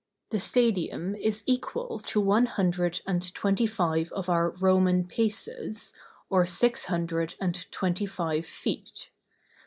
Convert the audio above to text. The stadium is equal to one hundred and twenty five of our Roman paces, or six hundred and twenty five feet.